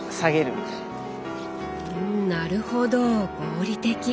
うんなるほど合理的。